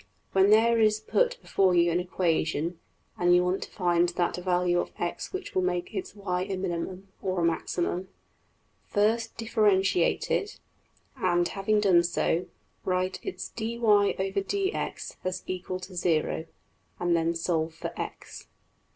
When there is put before you an equation, and you want to find that value of~$x$ that will make its~$y$ a minimum (or a maximum), \emph{first differentiate it}, and having done so, write its $\dfrac{dy}{dx}$ as \emph{equal to zero}, and then solve for~$x$.